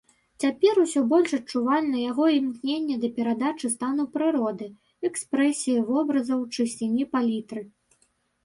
Цяпер усё больш адчувальна яго імкненне да перадачы стану прыроды, экспрэсіі вобразаў, чысціні палітры.